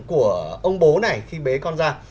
của ông bố này khi bế con ra